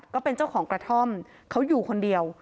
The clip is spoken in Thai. ก็เป็นเจ้าของกระท่อมเขาอยู่คนเดียว